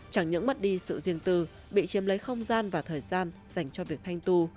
chẳng những mất đi sự riêng tư bị chiếm lấy không gian và thời gian dành cho việc thanh tù